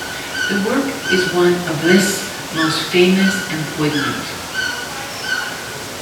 The work is one of Liszt's most famous and poignant.